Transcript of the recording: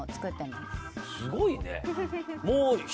すごいね。